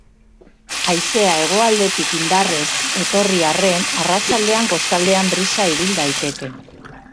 Haizea hegoaldetik indarrez etorri arren, arratsaldean kostaldean brisa ibil daiteke.